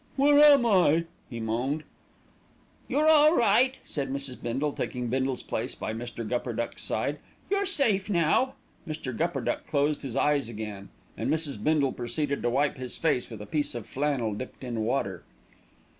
"Where am I?" he moaned. "You're all right," said Mrs. Bindle, taking Bindle's place by Mr. Gupperduck's side. "You're safe now." Mr. Gupperduck closed his eyes again, and Mrs. Bindle proceeded to wipe his face with a piece of flannel dipped in water.